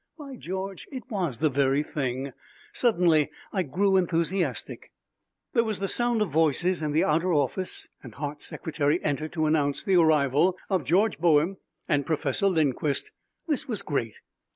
By George, it was the very thing! Suddenly I grew enthusiastic. There was the sound of voices in the outer office, and Hart's secretary entered to announce the arrival of George Boehm and Professor Lindquist. This was great!